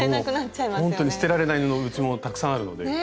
ほんと捨てられない布うちもたくさんあるので。ね！